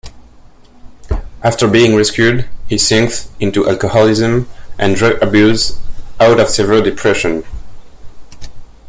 After being rescued, he sinks into alcoholism and drug abuse out of severe depression.